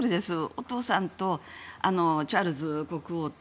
お父さんとチャールズ国王と